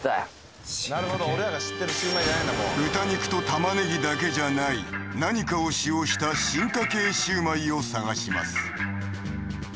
豚肉と玉ねぎだけじゃない何かを使用した進化系シウマイを探します